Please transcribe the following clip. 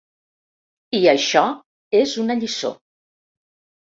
I això és una lliçó.